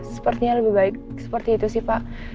sepertinya lebih baik seperti itu sih pak